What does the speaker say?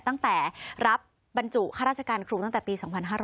ตั้งแต่รับบรรจุข้าราชการครูตั้งแต่ปี๒๕๕๙